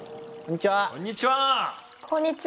こんにちは。